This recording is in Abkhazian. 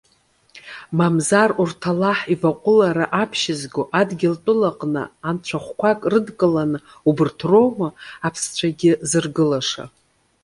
Мамзар, урҭ Аллаҳ иваҟәылара аԥшьызго, адгьылтәыла аҟны анцәахәқәак рыдкыланы, убарҭ роума аԥсцәагьы зыргылаша?